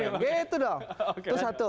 begitu dong itu satu